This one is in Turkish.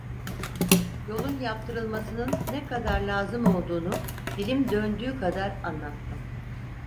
Yolun yaptırılmasının ne kadar lazım olduğunu dilim döndüğü kadar anlattım.